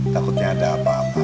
takutnya ada apa apa